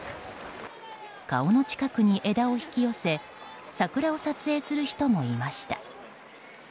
顔の近くに枝を引き寄せ桜を撮影する人もいました。